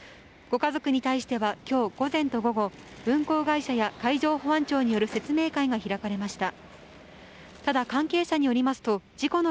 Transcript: ご家族に対しては今日、午前と午後、会社と海上保安庁による説明会が開かれました。